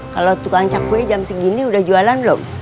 kalau tukang cakwe jam segini udah jualan belum